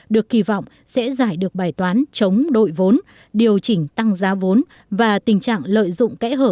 được kỳ vọng sẽ giải được bài toán chống đội vốn điều chỉnh tăng giá vốn và tình trạng lợi dụng kẽ hở